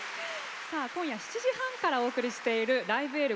今夜７時半からお送りしている「ライブ・エール」。